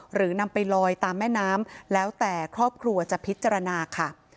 หรือนำไปลอยตามแม่น้ำแล้วแต่ครอบครัวจะพิจารณาค่ะ